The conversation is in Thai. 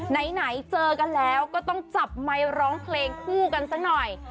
ไหนเจอกันแล้วก็ต้องจับไมค์ร้องเพลงคู่กันสักหน่อย